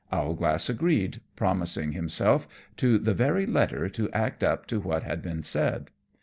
Owlglass agreed, promising himself to the very letter to act up to what had been said.